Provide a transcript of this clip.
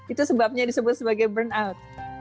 itu sebabnya disebut sebagai burnout